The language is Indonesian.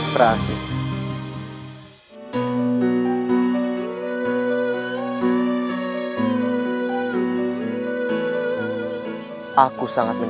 tentu saja raden